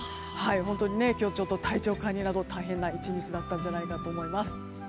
本当に今日は体調管理など大変な１日だったんじゃないかと思います。